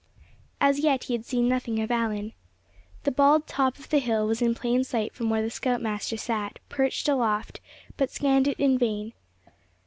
As yet he had seen nothing of Allan. The bald top of the hill was in plain sight from where the scout master sat, perched aloft, but he scanned it in vain.